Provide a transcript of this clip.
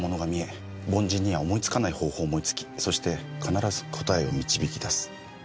凡人には思いつかない方法を思いつきそして必ず答えを導き出す。